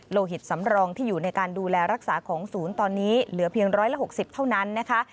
หิตสำรองที่อยู่ในการดูแลรักษาของศูนย์ตอนนี้เหลือเพียง๑๖๐เท่านั้นนะคะ